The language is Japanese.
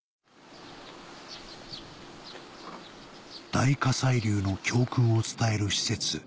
大火砕流の教訓を伝える施設